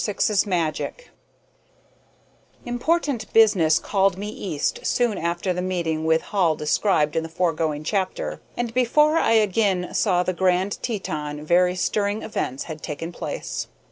SYX'S MAGIC Important business called me East soon after the meeting with Hall described in the foregoing chapter, and before I again saw the Grand Teton very stirring events had taken place.